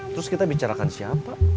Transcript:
terus kita bicarakan siapa